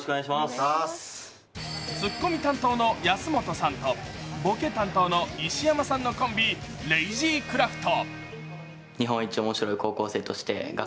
ツッコミ担当の安本さんとボケ担当の石山さんのコンビ、レイジークラフト。